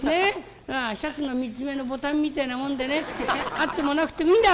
シャツの３つ目のボタンみてえなもんでねあってもなくてもいいんだ！